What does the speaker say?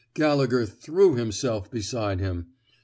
Gallegher threw himself beside him.